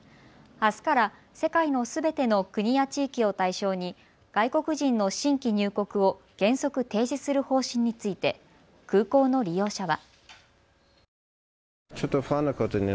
あすから世界のすべての国や地域を対象に外国人の新規入国を原則、停止する方針について、空港の利用者は。